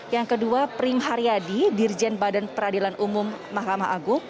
yang kedua prim haryadi dirjen badan peradilan umum mahkamah agung